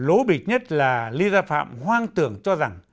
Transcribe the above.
lố bịch nhất là ly gia phạm hoang tưởng cho rằng